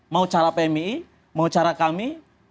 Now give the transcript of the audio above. mau cara pmi mau cara kami